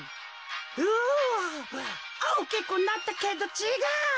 うわおおきくなったけどちがう。